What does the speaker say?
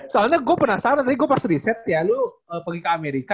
soalnya gue penasaran nih gue pas riset ya lu pergi ke amerika